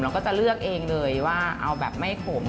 ก็จะเลือกเองเลยว่าเอาแบบไม่ขม